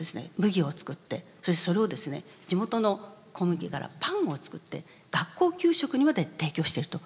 麦を作ってそしてそれをですね地元の小麦からパンを作って学校給食にまで提供していると。